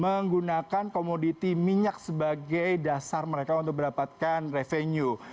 menggunakan komoditi minyak sebagai dasar mereka untuk mendapatkan revenue